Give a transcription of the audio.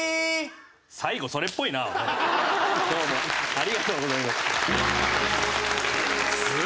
ありがとうございます！